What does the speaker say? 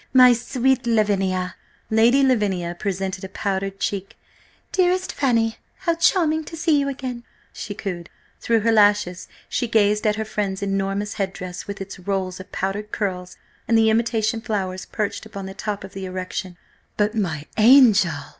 My sweet Lavinia!" Lady Lavinia presented a powdered cheek. "Dearest Fanny, how charming to see you again!" she cooed. Through her lashes she gazed at her friend's enormous headdress, with its rolls of powdered curls and the imitation flowers perched upon the top of the erection. "But, my angel!"